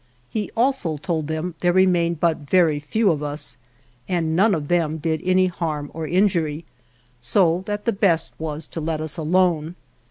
He also told them there remained but very few of us, and none of them did any harm or injury, so that the best was to let us alone.